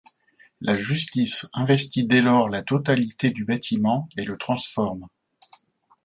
La justice investit dès lors la totalité du bâtiment et le transforme.